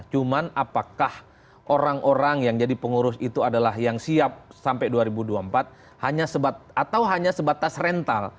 cuman apakah orang orang yang jadi pengurus itu adalah yang siap sampai dua ribu dua puluh empat atau hanya sebatas rental